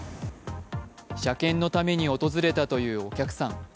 車検のために訪れたというお客さん。